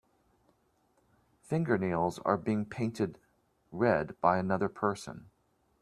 Fingernails are being painted read by another person.